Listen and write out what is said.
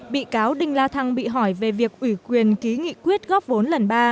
bị cáo đinh la thăng bị hỏi về việc ủy quyền ký nghị quyết góp vốn lần ba